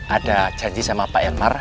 ada janji sama pak ermar